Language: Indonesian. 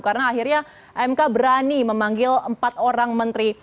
karena akhirnya mk berani memanggil empat orang menteri